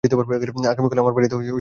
আগামীকাল আমার বাড়িতে পার্টি রয়েছে।